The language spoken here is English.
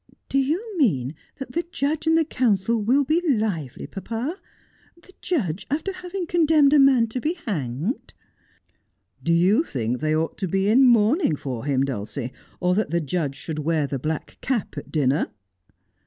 ' Do you mean that the judge and the counsel will be lively, papa — the judge after having condemned a man to be hanged 1 '' Do you think they ought to be in mourning for him, Dulcie, or that the judge should wear the black cap at dinner